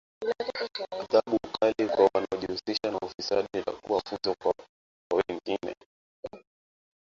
Adhabu kali kwa wanojihusisha na ufisadi litakuwa funzo kwa wengine